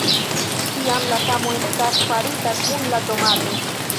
Tiam, la samo estas farita kun la tomato.